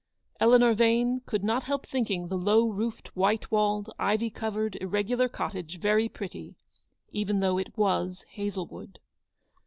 Eleanor Vane could not help thinking the low roofed, white walled, ivy covered irregular cottage very pretty, even though it was Hazle wood.